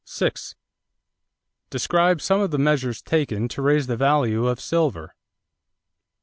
Describe some of the measures taken to raise the value of silver.